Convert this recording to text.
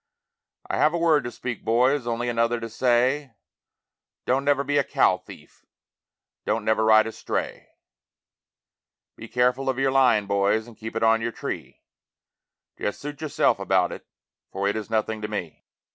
I have a word to speak, boys, only another to say, Don't never be a cow thief, don't never ride a stray; Be careful of your line, boys, and keep it on your tree, Just suit yourself about it, for it is nothing to me.